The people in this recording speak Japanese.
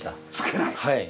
はい。